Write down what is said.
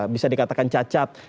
bisa dikatakan cacat